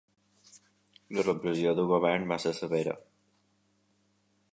La repressió del Govern va ser severa.